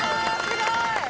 ・すごい。